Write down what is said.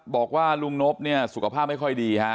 บอกว่าลุงนพสุขภาพไม่ค่อยดี